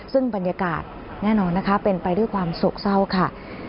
ซึ่งบรรยากาศแน่นอนนะคะเป็นไปด้วยความโศกเศร้าค่ะ